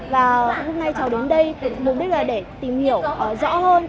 và hôm nay cháu đến đây mục đích là để tìm hiểu rõ hơn